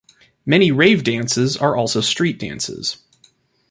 Many rave dances are also street dances.